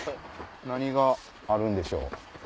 何があるんでしょう？